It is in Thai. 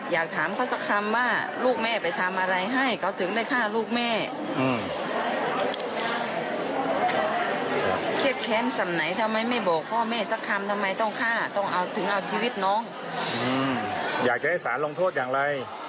อย่างสาสมอย่างหนักที่สุดเลยค่ะ